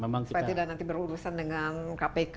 seperti nanti berurusan dengan kpk